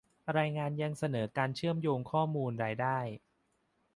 รายงานยังเสนอการเชื่อมโยงข้อมูลรายได้